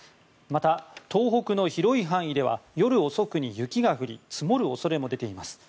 また、東北の広い範囲では夜遅くに雪が降り積もる恐れも出ています